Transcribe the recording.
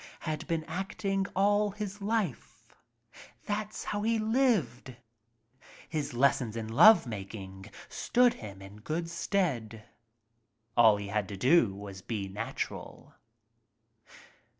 Had been acting all his life. That's how he lived. His les sons in love making stood him in good stead. All he had to do was be natural.